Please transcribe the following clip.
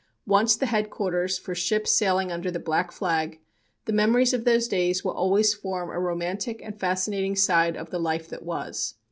Once the headquarters for ships sailing under the black flag, the memories of those days will always form a romantic and fascinating side of the life that was.